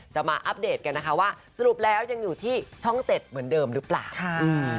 มาอัปเดตกันนะคะว่าสรุปแล้วยังอยู่ที่ช่องเจ็ดเหมือนเดิมหรือเปล่าค่ะอืม